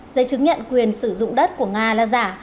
giấy chứng nhận quyền sử dụng đất của nga là giả